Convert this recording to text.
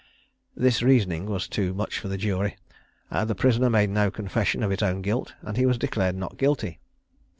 This reasoning was too much for the jury; the prisoner had made no confession of his own guilt, and he was declared not guilty.